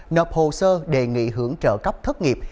nộp hồ sơ đề nghị hưởng trợ cấp thất nghiệp